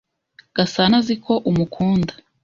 Gasana azi ko umukunda?